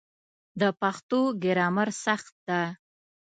د پښتو ګرامر سخت ده